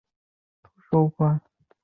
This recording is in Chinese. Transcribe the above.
嘉庆二十二年八月再任。